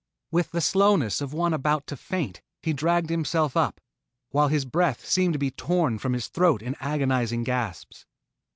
With the slowness of one about to faint he dragged himself up, while his breath seemed to be torn from his throat in agonizing gasps.